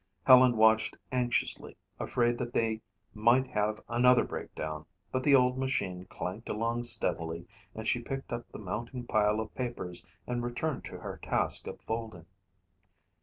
Helen watched anxiously, afraid that they might have another breakdown but the old machine clanked along steadily and she picked up the mounting pile of papers and returned to her task of folding.